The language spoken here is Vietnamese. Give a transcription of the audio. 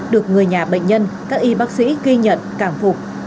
được người nhà bệnh nhân các y bác sĩ ghi nhận cảm phục